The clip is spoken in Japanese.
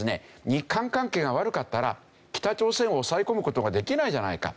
日韓関係が悪かったら北朝鮮を抑え込む事ができないじゃないか。